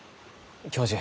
教授